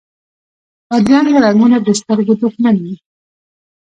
بدرنګه رنګونه د سترګو دشمن وي